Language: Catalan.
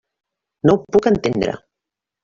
No ho puc entendre.